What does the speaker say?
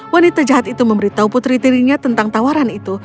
wanita jahat itu memberitahu putri tirinya tentang tawaran itu